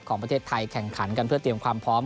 ของประเทศไทยแข่งขันกันเพื่อเตรียมความพร้อม